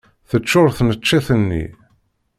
Teččuṛ tneččit-nni.